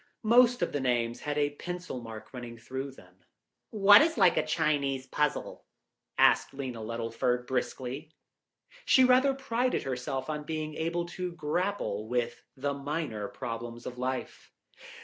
Most of the names had a pencil mark running through them. "What is like a Chinese puzzle?" asked Lena Luddleford briskly; she rather prided herself on being able to grapple with the minor problems of life.